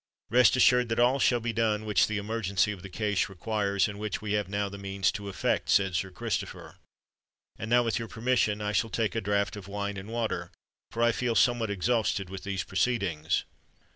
"Rest assured that all shall be done which the emergency of the case requires, and which we have now the means to effect," said Sir Christopher. "And now, with your permission, I shall take a draught of wine and water—for I feel somewhat exhausted with these proceedings."